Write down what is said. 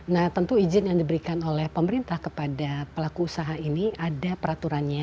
nah tentu izin yang diberikan oleh pemerintah kepada pelaku usaha ini ada peraturannya